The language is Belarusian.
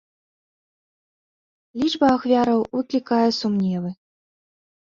Лічба ахвяраў выклікае сумневы.